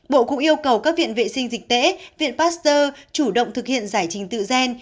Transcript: bộ cũng yêu cầu các viện vệ sinh dịch tễ viện pasteur chủ động thực hiện giải trình tự gen